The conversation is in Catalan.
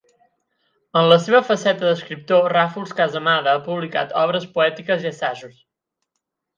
En la seva faceta d'escriptor, Ràfols-Casamada ha publicat obres poètiques i assajos.